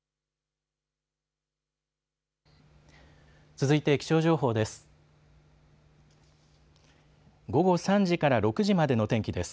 続いて気象情報です。